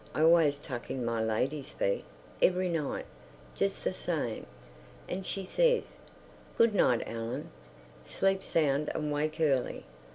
I always tuck in my lady's feet, every night, just the same. And she says, "Good night, Ellen. Sleep sound and wake early!"